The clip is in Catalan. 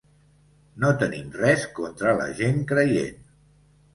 No tenim res contra la gent creient.